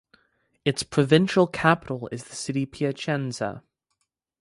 Its provincial capital is the city Piacenza.